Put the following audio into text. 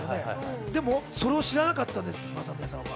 でも、それを知らなかったんです、マサムネさんは。